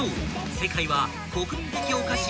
正解は国民的お菓子］